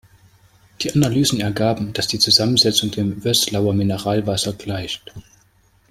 Die Analysen ergaben, dass die Zusammensetzung dem Vöslauer Mineralwasser gleicht.